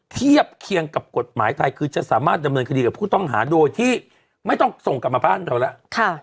เทียบเคียงกับกฎหมายไทยคือจะสามารถดำเนินคดีกับผู้ต้องหาโดยที่ไม่ต้องส่งกลับมาบ้านเราแล้ว